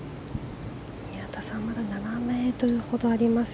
宮田さんはまだ７ｍほどあります。